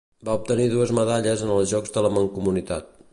Va obtenir dues medalles en els Jocs de la Mancomunitat.